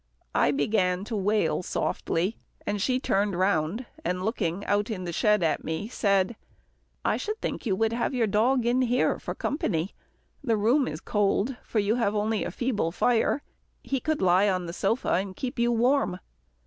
I began to wail softly, and she turned round, and looking out in the shed at me, said, "I should think you would have your dog in here for company. The room is cold, for you have only a feeble fire. He could lie on the sofa, and keep you warm."